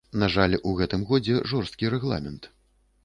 На жаль, у гэтым годзе жорсткі рэгламент.